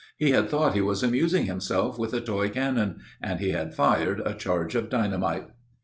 He had thought he was amusing himself with a toy cannon, and he had fired a charge of dynamite.